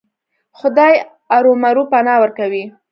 خدای ارومرو پناه ورکوي.